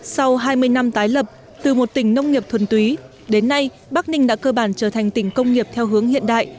sau hai mươi năm tái lập từ một tỉnh nông nghiệp thuần túy đến nay bắc ninh đã cơ bản trở thành tỉnh công nghiệp theo hướng hiện đại